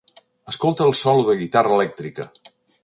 Escolta el solo de guitarra elèctrica!